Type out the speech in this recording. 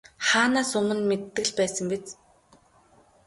Хаанаас өмнө мэддэг л байсан биз.